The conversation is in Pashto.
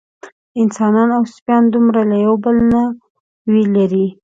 انسانان او سپیان دومره یو له بله نه وي لېرې.